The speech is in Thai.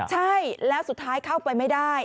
ใช่แล้วสุดท้ายเข้าไปไม่ได้